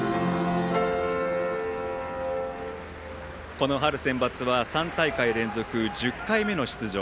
この春センバツは３大会連続１０回目の出場。